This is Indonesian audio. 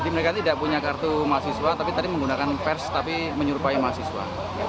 mereka tidak punya kartu mahasiswa tapi tadi menggunakan pers tapi menyerupai mahasiswa